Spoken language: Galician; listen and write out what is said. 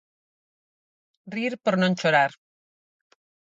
Rir por non chorar.